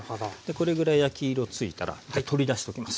これぐらい焼き色ついたら一回取り出しておきます。